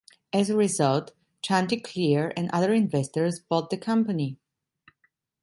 As a result, Chanticleer and other investors bought the company.